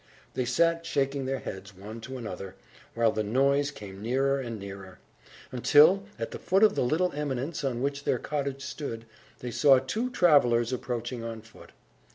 They sat shaking their heads, one to another, while the noise came nearer and nearer; until, at the foot of the little eminence on which their cottage stood, they saw two travellers approaching on foot.